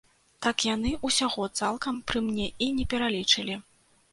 Так яны ўсяго цалкам пры мне і не пералічылі.